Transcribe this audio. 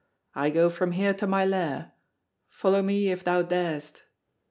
I go from here to my Lair. Follow me, if thou darest!"